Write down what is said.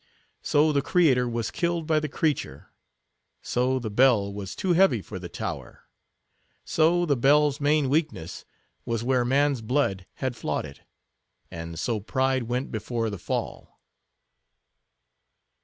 So the creator was killed by the creature. So the bell was too heavy for the tower. So the bell's main weakness was where man's blood had flawed it. And so pride went before the fall.